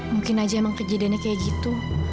mungkin aja emang kejadiannya kayak gitu